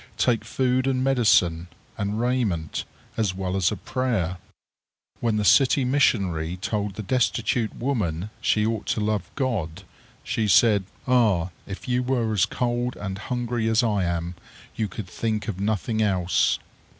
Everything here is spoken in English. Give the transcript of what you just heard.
Take food and medicine, and raiment, as well as a prayer. When the city missionary told the destitute woman she ought to love God, she said: "Ah! if you were as cold and hungry as I am, you could think of nothing else."